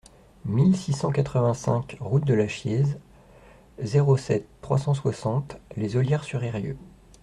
mille six cent quatre-vingt-cinq route de la Chiéze, zéro sept, trois cent soixante, Les Ollières-sur-Eyrieux